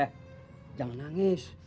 eh jangan nangis